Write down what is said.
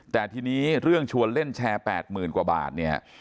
แต่ทีนี้เรื่องชวนเล่นแชร์๘๐๐๐กว่าบาทเนี่ย